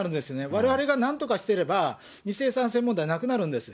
われわれがなんとかしていれば、２世、３世問題なくなるんです。